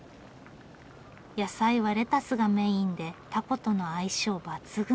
野菜はレタスがメインでタコとの相性抜群。